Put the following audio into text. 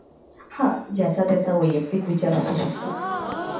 हा ज्याचा त्याचा वैयक्तिक विचार असू शकतो.